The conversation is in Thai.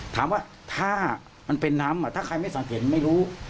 ถามว่าถ้ามันเป็นน้ำถ้าใครไม่สังเกตไม่รู้